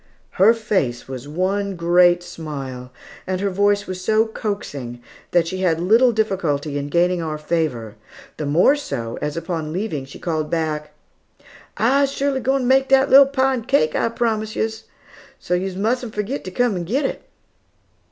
Her face was one great smile, and her voice was so coaxing that she had little difficulty in gaining our favor, the more so, as upon leaving, she called back, "I's surely g'wine ter make dat little pie and cake I's promised yos, so yos mustn't forgit to come git it."